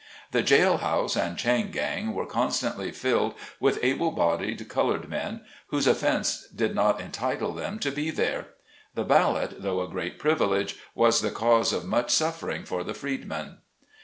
The jail house and chain gang were constantly filled with able bodied colored men whose offence did not entitle them to be there. 66 SLAVE CABIN TO PULPIT. The ballot, though a great privilege, was the cause of much suffering for the freedmen.